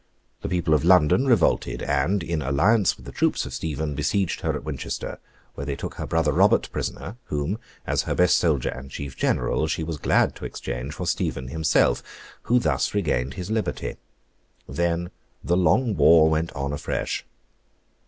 The people of London revolted; and, in alliance with the troops of Stephen, besieged her at Winchester, where they took her brother Robert prisoner, whom, as her best soldier and chief general, she was glad to exchange for Stephen himself, who thus regained his liberty. Then, the long war went on afresh.